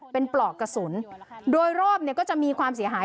เป็นปลอกกระสุนโดยรอบเนี่ยก็จะมีความเสียหาย